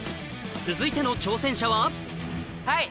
続いての挑戦者ははい。